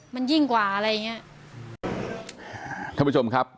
มันยิ่งกว่าอะไรอย่างเงี้ยท่านผู้ชมครับ